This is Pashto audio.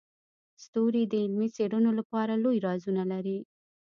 ستوري د علمي څیړنو لپاره لوی رازونه لري.